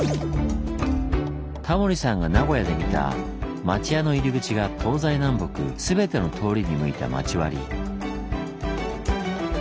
タモリさんが名古屋で見た町屋の入り口が東西南北全ての通りに向いた町割。